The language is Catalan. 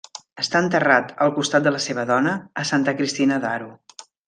Està enterrat, al costat de la seva dona, a Santa Cristina d'Aro.